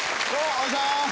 お願いします。